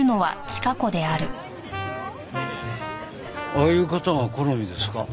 ああいう方が好みですか？